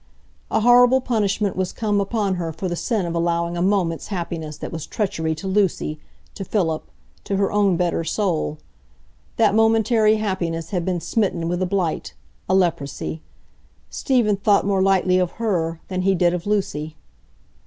A horrible punishment was come upon her for the sin of allowing a moment's happiness that was treachery to Lucy, to Philip, to her own better soul. That momentary happiness had been smitten with a blight, a leprosy; Stephen thought more lightly of her than he did of Lucy.